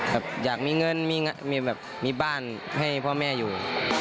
แบบอยากมีเงินมีแบบมีบ้านให้พ่อแม่อยู่